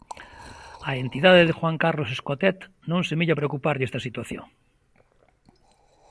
Á entidade de Juan Carlos Escotet non semella preocuparlle esta situación.